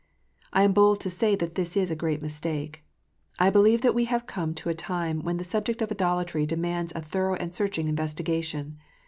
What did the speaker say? I am bold to say that this is a great mistake. I believe that we have come to a time when the subject of idolatry demands a thorough and searching investigation.